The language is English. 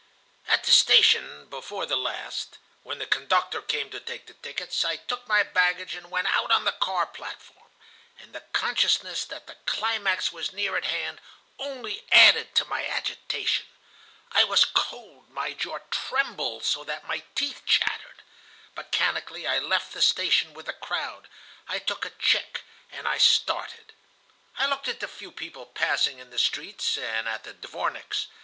"At the station before the last, when the conductor came to take the tickets, I took my baggage and went out on the car platform, and the consciousness that the climax was near at hand only added to my agitation. I was cold, my jaw trembled so that my teeth chattered. Mechanically I left the station with the crowd, I took a tchik, and I started. I looked at the few people passing in the streets and at the dvorniks.